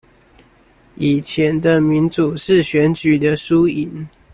以前的民主是選舉的輸贏